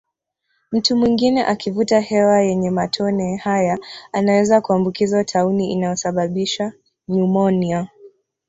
Mtu mwingine akivuta hewa yenye matone haya anaweza kuambukizwa tauni inayosababisha nyumonia